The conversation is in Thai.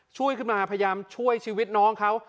ช่วยขึ้นมาพยายามช่วยชีวิตน้องเขา